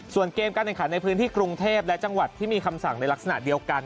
ส่วนเกมการแข่งขันในพื้นที่กรุงเทพและจังหวัดที่มีคำสั่งในลักษณะเดียวกัน